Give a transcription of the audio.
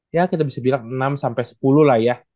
ya kita bisa bilang enam sampai sepuluh lah ya